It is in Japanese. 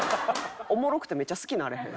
おもろくてめっちゃ好きになれへん？